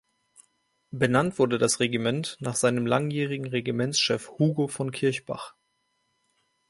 Benannt wurde das Regiment nach seinem langjährigen Regimentschef Hugo von Kirchbach.